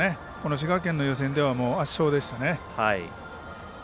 滋賀県の予選では圧勝でしたね。